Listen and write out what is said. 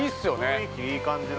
◆雰囲気いい感じの。